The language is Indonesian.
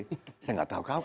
saya nggak tahu kw